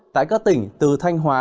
tại các tỉnh từ thanh hóa